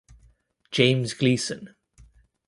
James Gleeson.